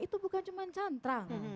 itu bukan cuma cantrang